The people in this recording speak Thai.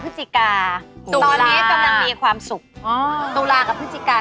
ดีมากดีมาก